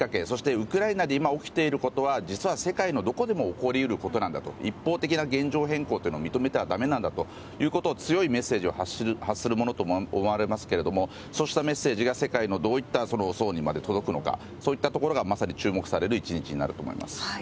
ウクライナで今起きていることは実は世界のどこでも起こりうることなんだと一方的な現状変更を認めては駄目だということの強いメッセージを発するものと思われますけどそういったメッセージがどういった層にまで届くのかそういったところがまさに注目される一日になると思います。